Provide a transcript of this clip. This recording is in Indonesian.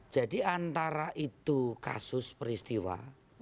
antara itu kasus peristiwa